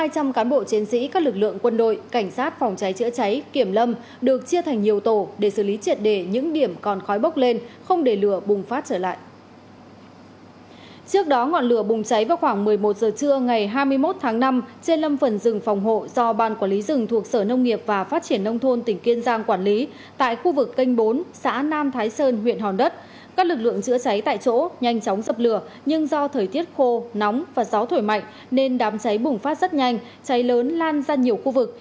các lực lượng chữa cháy tại chỗ nhanh chóng dập lửa nhưng do thời tiết khô nóng và gió thổi mạnh nên đám cháy bùng phát rất nhanh cháy lớn lan ra nhiều khu vực